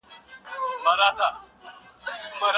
علمي بحثونه یوازي په کلیسا کي کيدل.